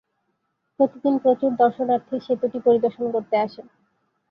প্রতিদিন প্রচুর দর্শনার্থী সেতুটি পরিদর্শন করতে আসেন।